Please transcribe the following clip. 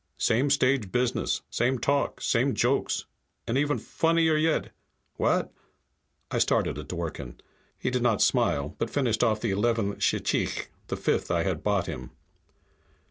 Same stage business, same talk, same jokes, and even funnier yedt. What?" I started at Dworken. He did not smile, but finished off the eleventh shchikh the fifth I had bought him.